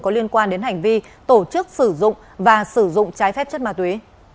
có liên quan đến hành vi tổ chức sử dụng và sử dụng trái phép chất ma túy